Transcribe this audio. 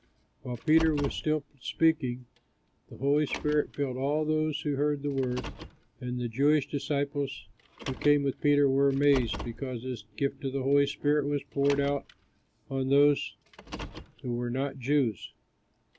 While Peter was still speaking, the Holy Spirit filled all those who heard the word. And the Jewish disciples who came with Peter were amazed, because the gift of the Holy Spirit was poured out on those who were not Jews.